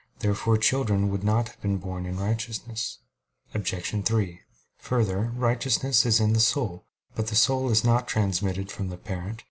Therefore children would not have been born righteous. Obj. 3: Further, righteousness is in the soul. But the soul is not transmitted from the parent.